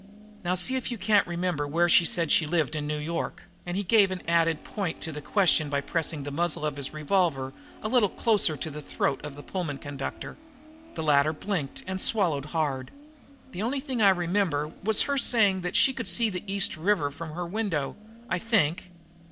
"Now see if you can't remember where she said she lived in New York." And he gave added point to his question by pressing the muzzle of the revolver a little closer to the throat of the Pullman conductor. The latter blinked and swallowed hard. "The only thing I remember her saying was that she could see the East River from her window, I think."